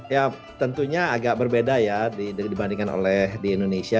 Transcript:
ya tentunya agak berbeda ya dibandingkan oleh di indonesia